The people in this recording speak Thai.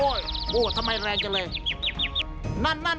โอ้ยโอ้ทำไมแรงกันเลย